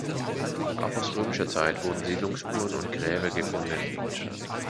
Auch aus Römischer Zeit wurden Siedlungsspuren und Gräber gefunden.